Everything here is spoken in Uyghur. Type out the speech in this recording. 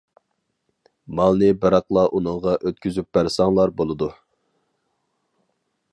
مالنى بىراقلا ئۇنىڭغا ئۆتكۈزۈپ بەرسەڭلار بولىدۇ.